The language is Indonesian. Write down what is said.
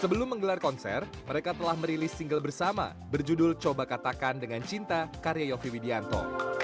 sebelum menggelar konser mereka telah merilis single bersama berjudul coba katakan dengan cinta karya yofi widianto